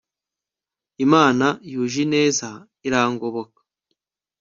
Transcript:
imana yuje ineza irangoboka